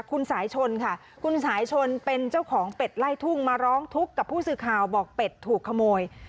คุณสายชนค่ะคุณสายชนเป็นเจ้าของเป็ดไล่ทุ่งมาร้องทุกข์กับผู้สื่อข่าวบอกเป็ดถูกขโมย